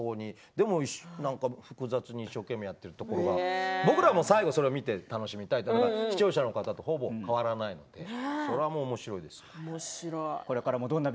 でも、複雑に一生懸命やってるところが僕らも最後まで見て楽しみたいし視聴者の皆さんとほぼ変わらないので今後も楽しみです。